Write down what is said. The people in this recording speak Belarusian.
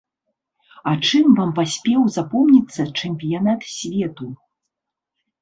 А чым вам паспеў запомніцца чэмпіянат свету?